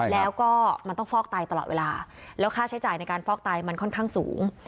แล้วก็มันต้องฟอกไตตลอดเวลาแล้วค่าใช้จ่ายในการฟอกไตมันค่อนข้างสูง